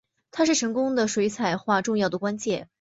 它是成功的水彩画重要关键。